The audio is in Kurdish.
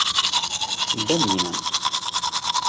Bimînin!